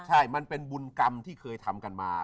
ใช่มันเป็นบุญกรรมที่เคยทำกันมา